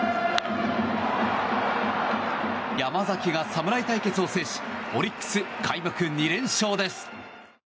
山崎が侍対決を制しオリックス、開幕２連勝です。